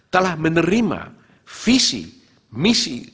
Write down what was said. telah menerima visi misi